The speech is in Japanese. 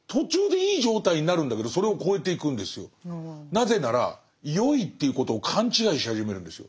なぜならよいということを勘違いし始めるんですよ。